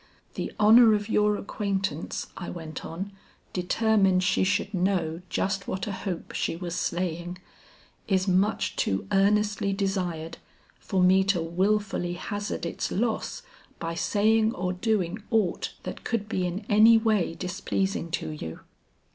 The honor of your acquaintance," I went on, determined she should know just what a hope she was slaying, "is much too earnestly desired, for me to wilfully hazard its loss by saying or doing aught that could be in any way displeasing to you."